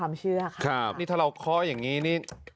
ถ้าเราเคาะอย่างงี้